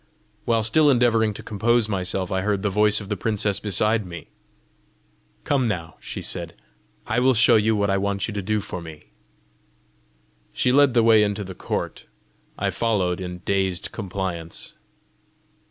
While still endeavouring to compose myself, I heard the voice of the princess beside me. "Come now," she said; "I will show you what I want you to do for me." She led the way into the court. I followed in dazed compliance.